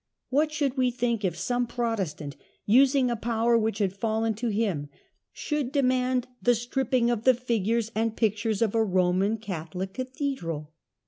What should we think if some Protestant^ using a power which had fallen to him, should demand the stripping of the figures and pictures of a Roman Catholic cathedral?